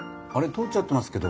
通っちゃってますけど」。